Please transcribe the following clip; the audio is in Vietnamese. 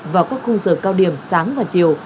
và các khung sở cao điểm sáng và chiều